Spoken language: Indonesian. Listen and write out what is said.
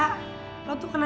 sampai jumpa lagi